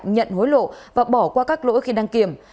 nhận hối lộ và bỏ qua các lỗi khi đăng kiểm